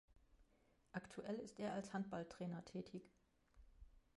Aktuell ist er als Handballtrainer tätig.